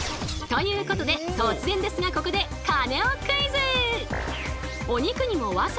ということで突然ですがここでカネオクイズ！